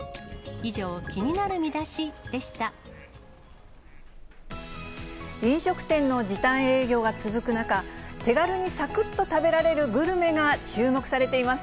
以上、飲食店の時短営業が続く中、手軽にさくっと食べられるグルメが注目されています。